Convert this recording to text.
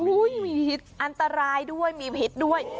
อุยยยอันตรายด้วยผิดด้วย